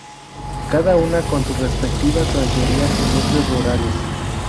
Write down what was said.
Cada una con sus respectivas rancherías y núcleos rurales.